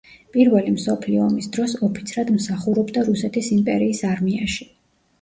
პირველი მსოფლიო ომის დროს ოფიცრად მსახურობდა რუსეთის იმპერიის არმიაში.